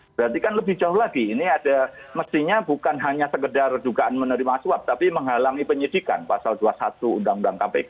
berarti kan lebih jauh lagi ini ada mestinya bukan hanya sekedar dugaan menerima suap tapi menghalangi penyidikan pasal dua puluh satu undang undang kpk